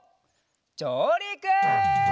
じょうりく！